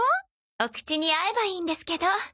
お口に合えばいいんですけど。